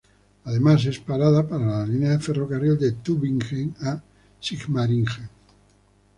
Además es parada para la línea de ferrocarril de Tübingen a Sigmaringen.